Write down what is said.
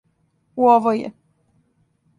У овој је!